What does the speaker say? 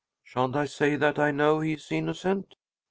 "Sha'n't I say that I know he is innocent?"